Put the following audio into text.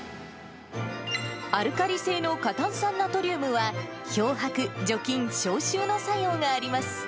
アルカリ性の過炭酸ナトリウムは、漂白、除菌、消臭の作用があります。